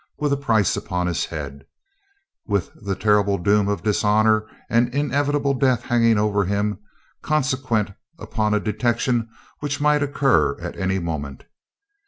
with a price upon his head with the terrible doom of dishonour and inevitable death hanging over him, consequent upon a detection which might occur at any moment?